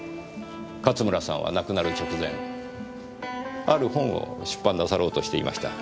勝村さんは亡くなる直前ある本を出版なさろうとしていました。